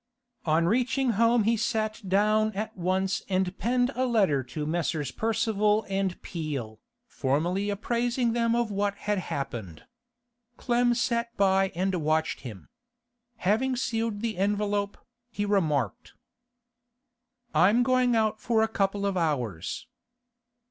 On reaching home he sat down at once and penned a letter to Messrs. Percival & Peel, formally apprising them of what had happened. Clem sat by and watched him. Having sealed the envelope, he remarked: 'I'm going out for a couple of hours.